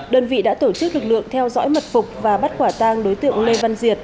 đơn vị đã tổ chức lực lượng theo dõi mật phục và bắt quả tang đối tượng lê văn diệt